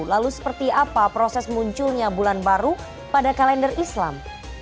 lalu seperti apa proses munculnya bulan baru pada kalender islam